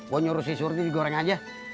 gue nyuruh si surti digoreng aja